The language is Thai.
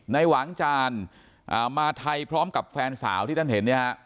หวางจานมาไทยพร้อมกับแฟนสาวที่ท่านเห็นเนี่ยฮะ